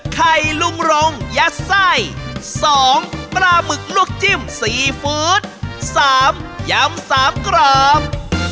ไข่ลุงรงยัดไส้๒ปลาหมึกลวกจิ้มซีฟู้ด๓ยำ๓กรอบ